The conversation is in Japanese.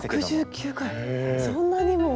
そんなにも！